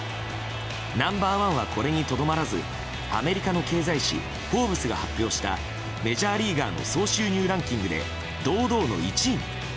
ナンバー１はこれにとどまらずアメリカの経済誌「フォーブス」が発表したメジャーリーガーの総収入ランキングで堂々の１位に。